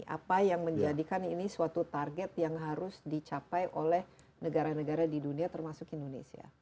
apa yang menjadikan ini suatu target yang harus dicapai oleh negara negara di dunia termasuk indonesia